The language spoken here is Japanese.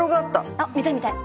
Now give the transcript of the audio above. あっ見たい見たい。